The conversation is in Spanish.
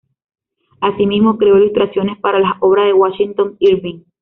Asimismo, creó ilustraciones para las obras de Washington Irving.